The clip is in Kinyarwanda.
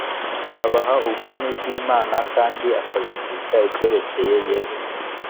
abaha ubwami bw imana kandi akabigisha ibyerekeye yesu